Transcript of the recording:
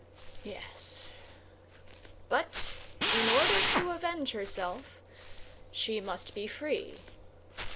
Yes; but in order to avenge herself she must be free.